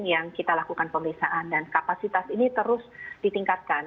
yang kita lakukan pemeriksaan dan kapasitas ini terus ditingkatkan